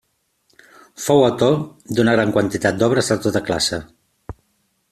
Fou autor de gran quantitat d'obres de tota classe.